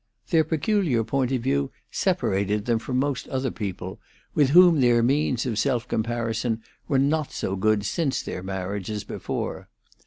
Their peculiar point of view separated them from most other people, with whom their means of self comparison were not so good since their marriage as before.